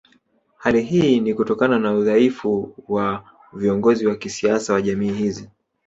Hali hii ni Kutokana na udhaifu wa viongozi wa kisiasa wa jamii hizi